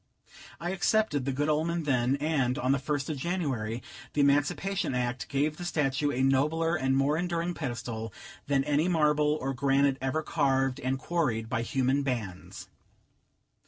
I accepted the good omen then, and, on the first of January, the Emancipation Act gave the statue a nobler and more enduring pedestal than any marble or granite ever carved and quarried by human hands.